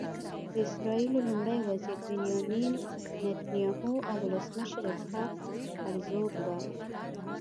د اسرائیلو لومړي وزير بنیامین نتنیاهو او ولسمشر اسحاق هرزوګ به.